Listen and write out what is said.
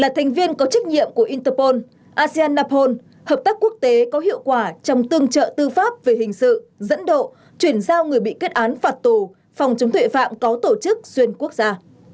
thành viên có trách nhiệm của interpol asean hợp tác quốc tế có hiệu quả trong tương trợ tư pháp về hình sự dẫn độ chuyển giao người bị kết án phạt tù phòng chống tuệ phạm có tổ chức xuyên quốc gia